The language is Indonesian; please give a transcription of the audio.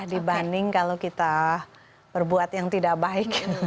dibanding kalau kita berbuat yang tidak baik